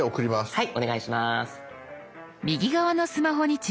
はい。